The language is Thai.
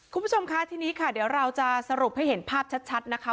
คุณผู้ชมคะทีนี้ค่ะเดี๋ยวเราจะสรุปให้เห็นภาพชัดนะคะ